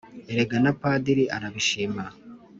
erega na padiri arabishima